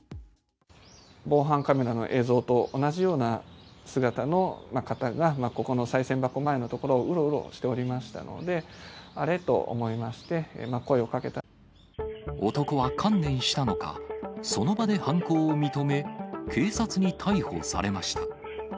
防犯カメラの映像と同じような姿の方が、ここのさい銭箱前の所をうろうろしておりましたので、あれ？と思男は観念したのか、その場で犯行を認め、警察に逮捕されました。